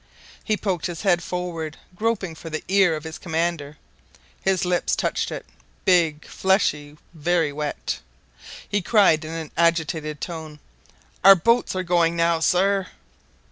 He poked his head forward, groping for the ear of his commander. His lips touched it big, fleshy, very wet. He cried in an agitated tone, "Our boats are going now, sir."